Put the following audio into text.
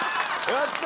やった！